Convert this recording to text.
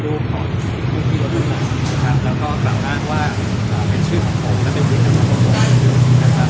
ก็บอกอ้างว่าเป็นชื่อของผมและเป็นคิดของคนผม